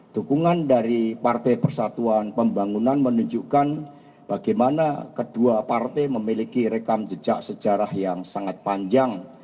dukungan dari partai persatuan pembangunan menunjukkan bagaimana kedua partai memiliki rekam jejak sejarah yang sangat panjang